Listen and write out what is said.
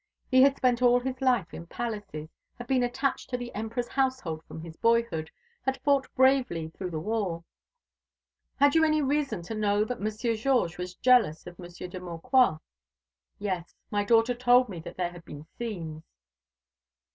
He had spent all his life in palaces; had been attached to the Emperor's household from his boyhood; had fought bravely through the war." "Had you reason to know that Monsieur Georges was jealous of Monsieur de Maucroix?" "Yes, my daughter told me that there had been scenes."